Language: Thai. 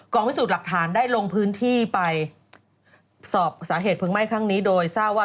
พิสูจน์หลักฐานได้ลงพื้นที่ไปสอบสาเหตุเพลิงไหม้ครั้งนี้โดยทราบว่า